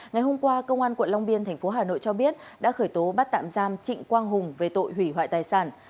ngày hôm qua công an quận long biên tp hà nội cho biết đã khởi tố bắt tạm giam trịnh quang hùng về tội hủy hoại tài sản